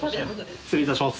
失礼いたします。